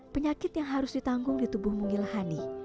penyakit yang harus ditanggung di tubuh mungil hani